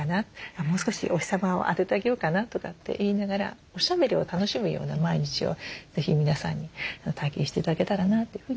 「もう少しお日様を当ててあげようかな」とかって言いながらおしゃべりを楽しむような毎日を是非皆さんに体験して頂けたらなというふうに思いますね。